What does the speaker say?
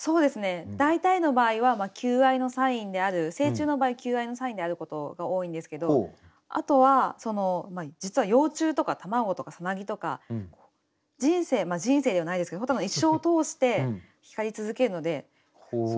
大体の場合は求愛のサインである成虫の場合求愛のサインであることが多いんですけどあとは実は幼虫とか卵とかさなぎとか人生人生ではないですけど蛍は一生を通して光り続けるので。